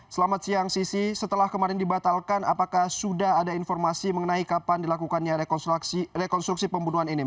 selamat siang sisi setelah kemarin dibatalkan apakah sudah ada informasi mengenai kapan dilakukannya rekonstruksi pembunuhan ini